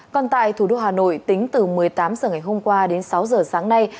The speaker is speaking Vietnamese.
còn tại thủ đô hà nội tính từ một mươi tám h ngày hôm qua đến sáu giờ sáng nay